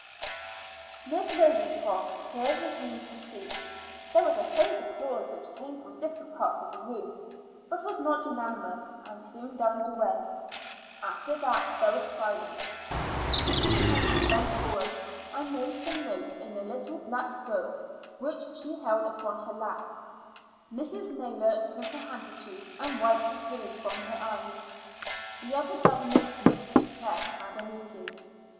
Miss Ravenscroft here resumed her seat. There was a faint applause which came from different parts of the room, but was not unanimous, and soon died away. After that there was silence. Miss Mackenzie bent forward and made some notes in a little black book which she held upon her lap. Mrs. Naylor took her handkerchief and wiped the tears from her eyes; the other governors looked depressed and uneasy.